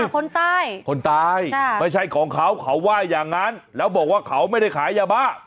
คนตายคนตายไม่ใช่ของเขาเขาว่าอย่างนั้นแล้วบอกว่าเขาไม่ได้ขายยาบ้า